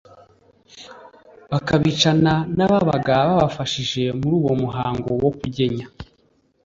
bakabicana n'ababaga babafashije muri uwo muhango wo kugenya